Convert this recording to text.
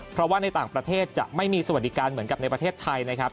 เพราะว่าในต่างประเทศจะไม่มีสวัสดิการเหมือนกับในประเทศไทยนะครับ